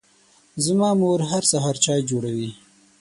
زما مور هر سهار چای جوړوي.